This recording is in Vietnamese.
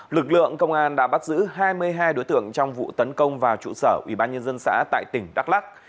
lực lượng công an đã bắt giữ hai mươi hai đối tượng trong vụ tấn công vào trụ sở ubnd xã tại tỉnh đắk lắc